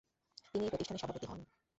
তিনি এই প্রতিষ্ঠানের সভাপতি হন।